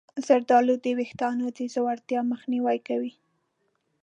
زردآلو د ویښتانو د ځوړتیا مخنیوی کوي.